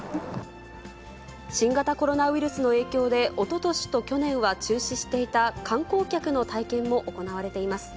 新型コロナウイルスの影響で、おととしと去年は中止していた観光客の体験も行われています。